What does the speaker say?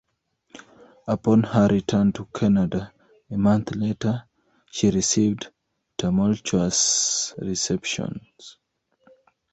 Upon her return to Canada a month later, she received tumultuous receptions.